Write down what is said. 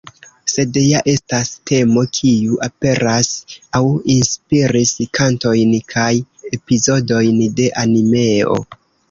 Sed ja estas temo kiu aperas aŭ inspiris kantojn kaj epizodojn de animeo.